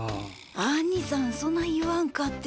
アニさんそない言わんかて。